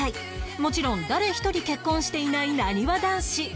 もちろん誰一人結婚していないなにわ男子